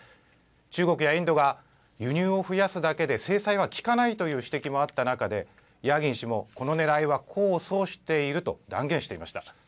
中国やインドが輸入を増やすだけで制裁は効かないという指摘もあった中でヤーギン氏もこのねらいは功を奏していると断言していました。